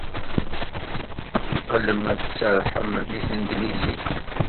Ad teqqlem ad tserrḥem deg tanglizit!